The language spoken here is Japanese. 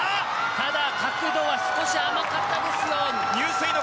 ただ、角度は少し甘かったです。